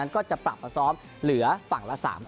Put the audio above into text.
ก็จะปรับมาซ้อมเหลือฝั่งละ๓คน